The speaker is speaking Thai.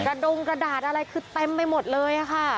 กระดูกกระดาษอะไรคือเต็มไปหมดเลยค่ะค่ะ